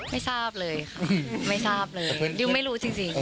ไม่ทราบเลยค่ะดิวไม่รู้จริง